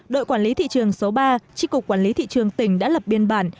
đội quản lý thị trường số ba tri cục quản lý thị trường tỉnh đã lập biên bản